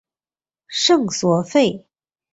圣索弗。